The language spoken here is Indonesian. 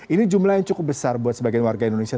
ini jumlah yang cukup besar buat sebagian warga indonesia